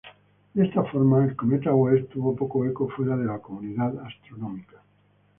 De esta forma, el cometa West tuvo poco eco fuera de la comunidad astronómica.